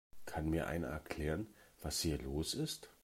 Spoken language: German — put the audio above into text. Kann mir einer erklären, was hier los ist?